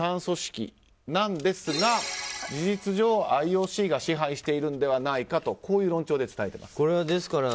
３組織なんですが事実上、ＩＯＣが支配しているのではないかとこういう論調で伝えています。